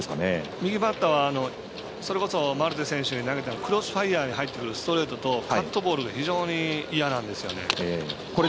右バッターはそれこそマルテ選手に投げたクロスファイアーが入ってくるストレートとカットボールが非常に嫌なんですよね。